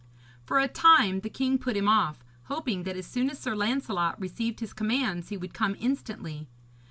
For a time the king put him off, hoping that as soon as Sir Lancelot received his commands he would come instantly.